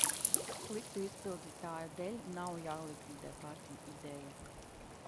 Sliktu izpildītāju dēļ nav jālikvidē pati ideja.